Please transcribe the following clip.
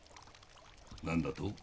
何だと？